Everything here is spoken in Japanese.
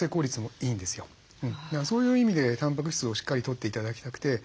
だからそういう意味でたんぱく質をしっかりとって頂きたくて。